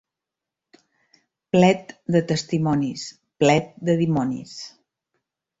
Plet de testimonis, plet de dimonis.